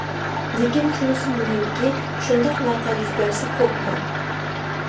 لېكىن، شۇنىسى مۇھىمكى، شۇنداق ۋەقە يۈز بەرسە، قورقماڭ.